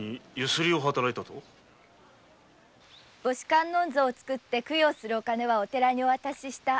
観音像を造って供養する金はお寺にお渡しした。